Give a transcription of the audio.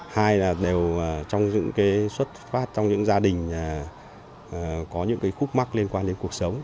hai là đều trong giữ xuất phát trong những gia đình có những khúc mắc liên quan đến cuộc sống